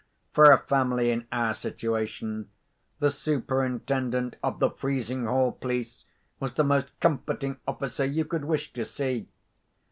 For a family in our situation, the Superintendent of the Frizinghall police was the most comforting officer you could wish to see.